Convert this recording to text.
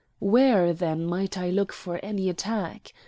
Where, then, might I look for any attack?